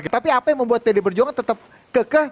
tapi apa yang membuat pdi perjuangan tetap kekeh